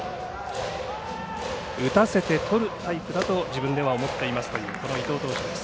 打たせてとるタイプだと自分では思っていますという伊藤投手です。